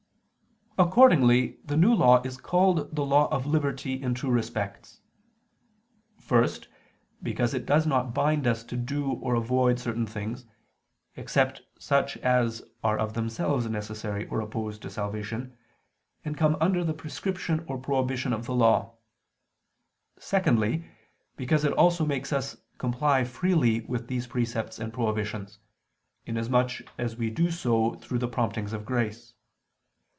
Accordingly the New Law is called the law of liberty in two respects. First, because it does not bind us to do or avoid certain things, except such as are of themselves necessary or opposed to salvation, and come under the prescription or prohibition of the law. Secondly, because it also makes us comply freely with these precepts and prohibitions, inasmuch as we do so through the promptings of grace.